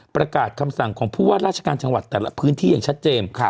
ประกาศคำสั่งของผู้ว่าราชการจังหวัดแต่ละพื้นที่อย่างชัดเจน